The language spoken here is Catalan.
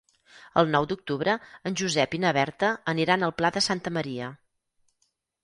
El nou d'octubre en Josep i na Berta aniran al Pla de Santa Maria.